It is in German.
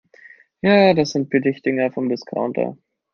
Ja, das sind Billigdinger vom Discounter.